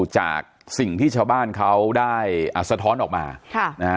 จากสิ่งที่ชาวบ้านเขาได้สะท้อนออกมาค่ะนะฮะ